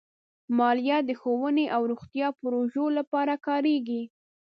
مالیه د ښوونې او روغتیا پروژو لپاره کارېږي.